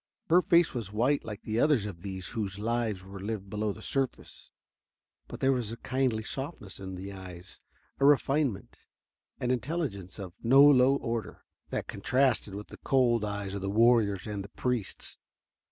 Her face was white like the others of these whose lives were lived below the surface, but there was a kindly softness in the eyes, a refinement and intelligence of no low order, that contrasted with the cold eyes of the warriors and the priests.